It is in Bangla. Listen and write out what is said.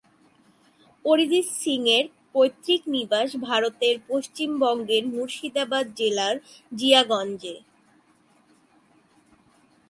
অরিজিৎ সিং এর পৈতৃক নিবাস ভারতের পশ্চিমবঙ্গের মুর্শিদাবাদ জেলার জিয়াগঞ্জ-এ।